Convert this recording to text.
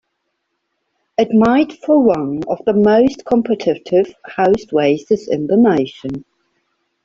It made for one of the most competitive House races in the nation.